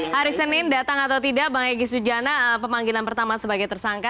hari senin datang atau tidak bang egy sujana pemanggilan pertama sebagai tersangka